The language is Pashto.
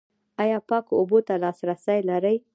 ایا پاکو اوبو ته لاسرسی لرئ؟